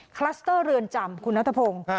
คลัสเตอร์เรือนจำคุณนัทพงศ์